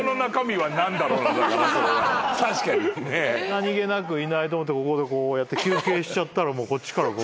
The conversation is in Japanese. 何げなくいないと思ってここでこうやって休憩しちゃったらもうこっちから。